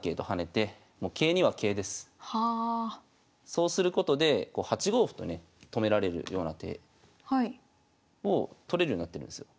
そうすることで８五歩とね止められるような手を取れるようになってるんですよ。